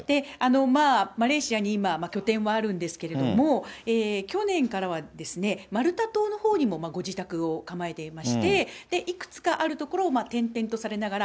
マレーシアに今、拠点はあるんですけれども、去年からはマルタ島のほうにもご自宅を構えていまして、いくつかある所を転々とされながら。